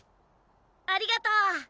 ありがとう！